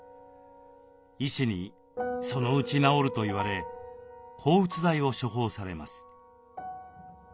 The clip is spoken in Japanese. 医師に「そのうち治る」と言われ抗うつ剤を処方されます。